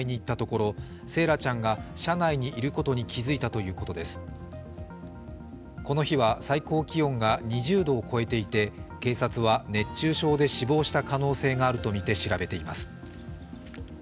この日は最高気温が２０度を超えていて警察は熱中症で死亡した可能性があるとみて調べています。